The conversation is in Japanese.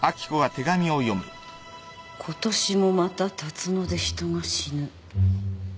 「今年もまた龍野で人が死ぬ」